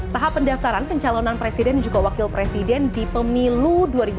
tahap pendaftaran pencalonan presiden juga wakil presiden di pemilu dua ribu dua puluh